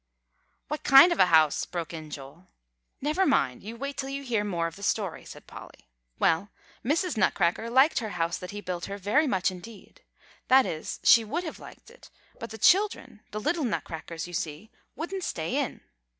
"What kind of a house?" broke in Joel. "Never mind. You wait till you hear more of the story," said Polly. "Well, Mrs. Nutcracker liked her house that he built her very much indeed. That is, she would have liked it, but the children, the little Nutcrackers, you see, wouldn't stay in."